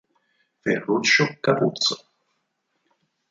Ferruccio Capuzzo.